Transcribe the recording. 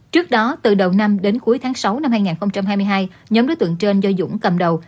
trước đó từ đầu năm đến cuối tháng sáu năm hai nghìn hai mươi hai nhóm đối tượng trên do dũng cầm đầu